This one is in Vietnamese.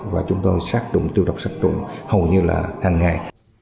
và chúng tôi sát trụng tiêu độc sát trụng hầu như là hàng ngày